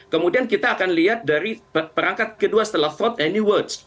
kemudian kita akan lihat dari perangkat kedua setelah thought ini words